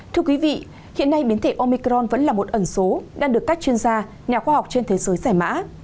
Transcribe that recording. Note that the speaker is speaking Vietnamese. thưa quý vị hiện nay biến thể omicron vẫn là một ẩn số đang được các chuyên gia nhà khoa học trên thế giới giải mã